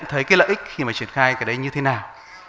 thì làm như thế nào